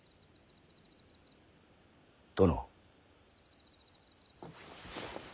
殿。